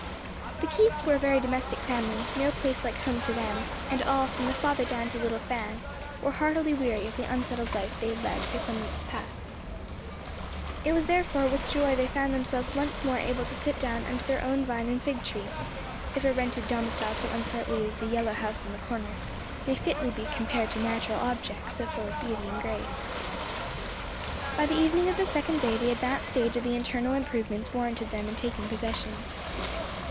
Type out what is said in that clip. The Keiths were a very domestic family; no place like home to them; and all, from the father down to little Fan, were heartily weary of the unsettled life they had led for some weeks past. It was therefore with joy they found themselves once more able to sit down under their own vine and fig tree, (if a rented domicile so unsightly as "the yellow house on the corner" may fitly be compared to natural objects so full of beauty and grace). By the evening of the second day the advanced stage of the internal improvements warranted them in taking possession.